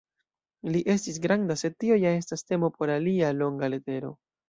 Li estis granda, sed tio ja estas temo por alia, longa letero.